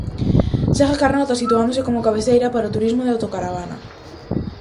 Segue Carnota situándose como cabeceira para o turismo de autocaravana.